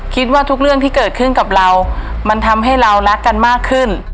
คิดว่าทุกเรื่องที่เกิดขึ้นกับเรามันทำให้เรารักกันมากขึ้น